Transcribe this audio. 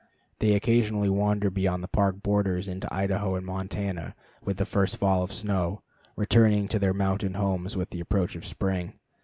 They occasionally wander beyond the Park borders into Idaho and Montana with the first fall of snow, returning to their mountain homes with the approach of spring.